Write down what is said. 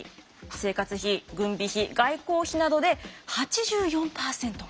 生活費軍備費外交費などで８４％が。